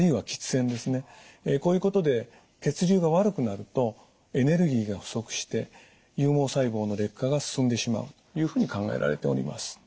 こういうことで血流が悪くなるとエネルギーが不足して有毛細胞の劣化が進んでしまうというふうに考えられております。